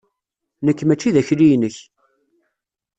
Nekk mačči d akli-inek.